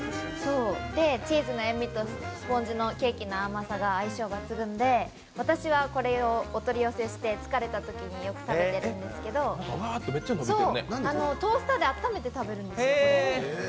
で、チーズの塩味とスポンジのケーキの甘さが相性抜群で私はこれをお取り寄せして疲れたときによく食べてるんですけど、トースターであっためて食べるんですよ。